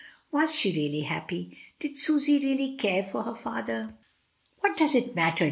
"Was she really happy? did Susy really care for her father?" "What does it matter?"